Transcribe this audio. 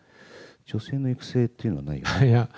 女性の育成というのはないですよね？